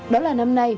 đó là năm nay